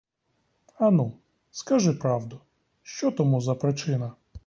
Ану, скажи правду, що тому за причина?